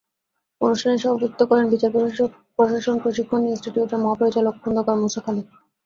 অনুষ্ঠানে সভাপতিত্ব করেন বিচার প্রশাসন প্রশিক্ষণ ইনস্টিটিউটের মহাপরিচালক খোন্দকার মূসা খালেদ।